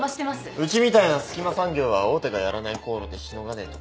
うちみたいな隙間産業は大手がやらない航路でしのがねえと。